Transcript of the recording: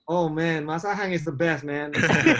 oh man mas ahang adalah yang terbaik man